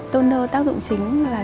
toner tác dụng chính là